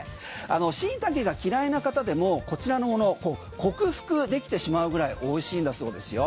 シイタケが嫌いな方でもこちらのものは克服できてしまうぐらい美味しいんだそうですよ。